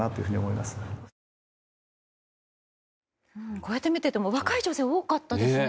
こうやって見てても若い女性が多かったですね。